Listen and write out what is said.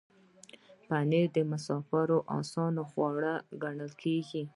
پنېر د مسافرو آسان خواړه ګڼل کېږي.